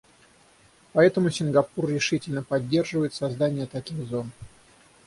Поэтому Сингапур решительно поддерживает создание таких зон.